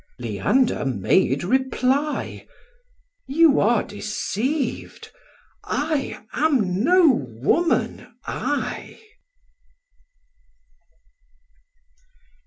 Leander made reply, "You are deceiv'd; I am no woman, I."